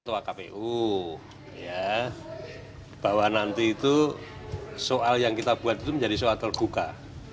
untuk akpu bahwa nanti itu soal yang kita buat itu menjadi soal terbuka